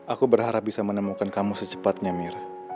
aku berharap bisa menemukan kamu secepatnya mir